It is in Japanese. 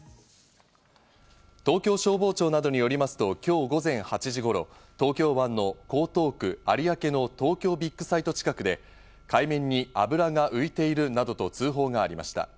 東京消防庁などによりますと今日午前８時頃、東京湾の江東区有明の東京ビッグサイト近くで海面に油が浮いているなどと通報がありました。